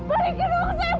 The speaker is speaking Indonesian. ah menipu menipu